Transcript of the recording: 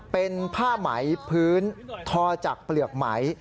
เป็นผ้าไหมพื้นทอจากเปลือกไหม